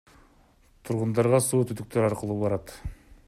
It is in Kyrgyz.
Тургундарга суу түтүктөр аркылуу барат.